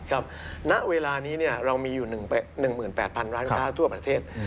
ณเวลานี้เรามีอยู่๑๘๐๐๐ร้านค้าทั่วประเทศ